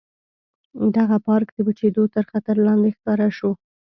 دغه پارک د وچېدو تر خطر لاندې ښکاره شو.